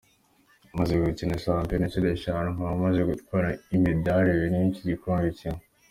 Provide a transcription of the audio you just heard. Maze gukina shampiyona inshuro eshatu nkaba maze gutwara imidali ibiri n’iki gikombe kimwe.